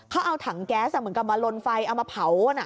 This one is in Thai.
เขาเอาถังแก๊สเหมือนกับมาลนไฟเอามาเผาน่ะ